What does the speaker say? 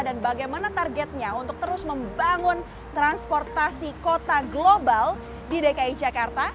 dan bagaimana targetnya untuk terus membangun transportasi kota global di dki jakarta